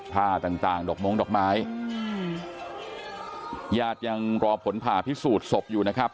ต่างต่างดอกม้งดอกไม้อืมญาติยังรอผลผ่าพิสูจน์ศพอยู่นะครับ